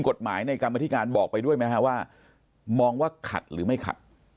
กฎหมายในกรรมธิการบอกไปด้วยไหมฮะว่ามองว่าขัดหรือไม่ขัด